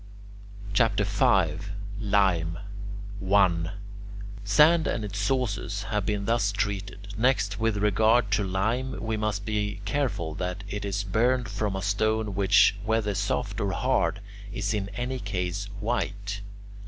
CHAPTER V LIME 1. Sand and its sources having been thus treated, next with regard to lime we must be careful that it is burned from a stone which, whether soft or hard, is in any case white.